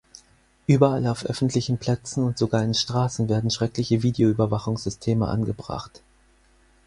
Überall auf öffentlichen Plätzen und sogar in Straßen werden schreckliche Videoüberwachungssysteme angebracht.